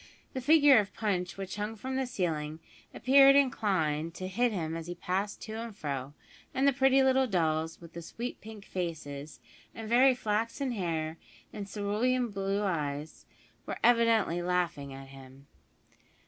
The figure of Punch which hung from the ceiling appeared inclined to hit him as he passed to and fro, and the pretty little dolls with the sweet pink faces, and very flaxen hair and cerulean eyes were evidently laughing at him.